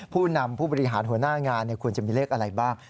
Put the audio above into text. ผู้นำผู้บริหารหัวหน้างานควรจะมีเลขอะไรบ้าง